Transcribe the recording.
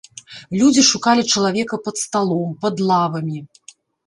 Людзі шукалі чалавека пад сталом, пад лавамі.